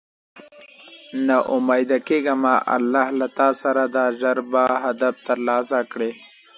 نا اميده کيږه مه الله له تاسره ده ژر به هدف تر لاسه کړی